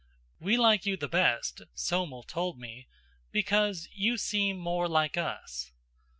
"We like you the best," Somel told me, "because you seem more like us."